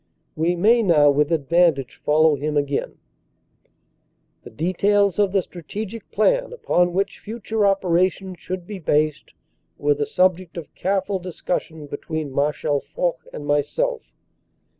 We may now with advantage follow him again : "The details of the strategic plan .. upon which future opera tions should be based were the subject of careful discussion between Marshal Foch and myself.